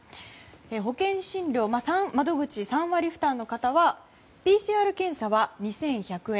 保険診療窓口３割負担の方はＰＣＲ検査は２１００円